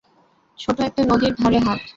ছোটো একটা নদীর ধারে হাট।